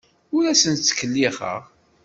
Ur asen-ttkellixeɣ.